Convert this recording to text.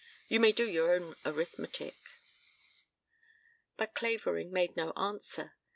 You may do your own arithmetic." But Clavering made no answer.